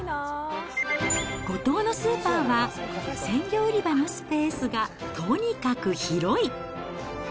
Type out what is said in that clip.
五島のスーパーは、鮮魚売り場のスペースがとにかく広い。